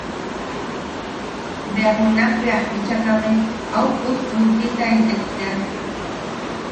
Bea junak bea a bichakame au pupputtitaitek tea.